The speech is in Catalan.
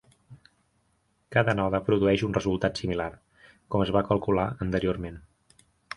Cada node produeix un resultat similar, com es va calcular anteriorment.